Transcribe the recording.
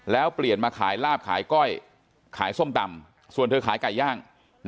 แล้วเปลี่ยนมาขายลาบขายก้อยขายส้มตำส่วนเธอขายไก่ย่าง